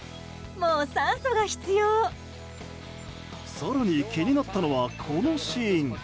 更に気になったのはこのシーン。